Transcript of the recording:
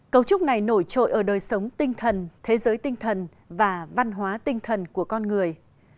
cấu trúc này nổi trội ở đời sống tinh thần thế giới tinh thần và văn hóa tinh thần của con người